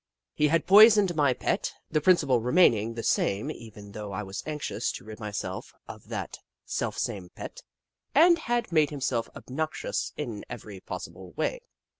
He had poisoned my pet, the principle remaining the same even though I was anxious to rid myself of that selfsame pet, and had made himself obnoxious in every possible way.